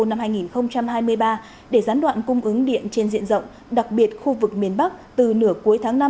năm hai nghìn hai mươi ba để gián đoạn cung ứng điện trên diện rộng đặc biệt khu vực miền bắc từ nửa cuối tháng năm